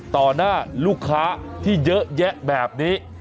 หน้าลูกค้าที่เยอะแยะแบบนี้